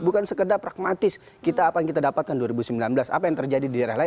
bukan sekedar pragmatis apa yang kita dapatkan dua ribu sembilan belas apa yang terjadi di daerah lain